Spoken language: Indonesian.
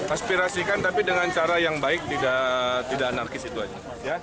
aspirasikan tapi dengan cara yang baik tidak anarkis itu aja